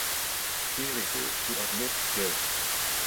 She refused to admit guilt.